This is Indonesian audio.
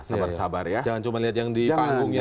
sabar sabar ya jangan cuma lihat yang di panggungnya